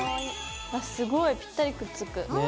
わっすごいぴったりくっつく。